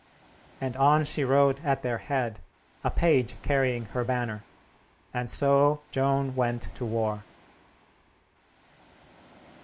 and on she rode at their head, a page carrying her banner. And so Joan went to war.